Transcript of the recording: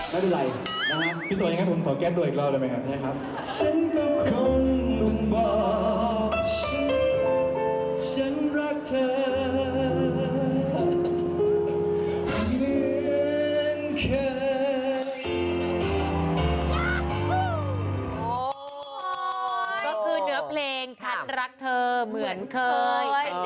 เดี๋ยวขอเรียบกว่าก็รักเธอเหมือนเคย